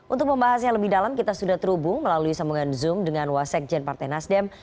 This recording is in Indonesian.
untuk membahasnya lebih dalam kita sudah terhubung melalui sambungan zoom dengan wasekjen partai nasdem